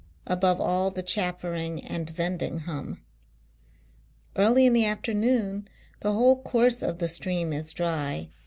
above all the chaffering and vending hum. Early in the afternoon, the whole course of the stream is dry.